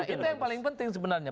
itu yang paling penting sebenarnya